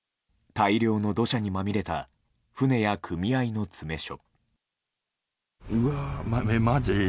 大量の土砂にまみれた船や組合の詰め所。